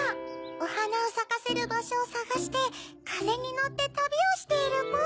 おはなをさかせるばしょをさがしてかぜにのってたびをしているポ。